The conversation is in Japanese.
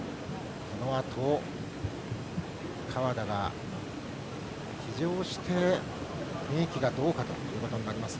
このあと、川田が騎乗して雰囲気がどうかということになります。